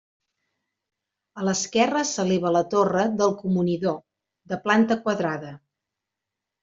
A l'esquerra s'eleva la torre del comunidor, de planta quadrada.